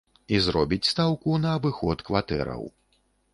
І зробіць стаўку на абыход кватэраў.